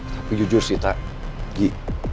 tapi jujur sih tak gi